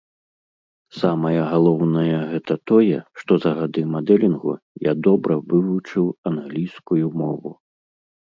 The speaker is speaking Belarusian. Самае галоўнае гэта тое, што за гады мадэлінгу я добра вывучыў англійскую мову.